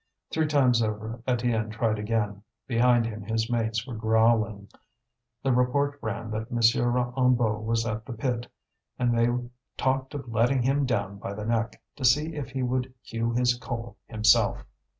Three times over Étienne tried again. Behind him his mates were growling. The report ran that M. Hennebeau was at the pit, and they talked of letting him down by the neck, to see if he would hew his coal himself.